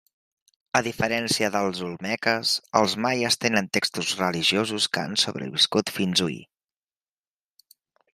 A diferència dels olmeques, els maies tenen textos religiosos que han sobreviscut fins hui.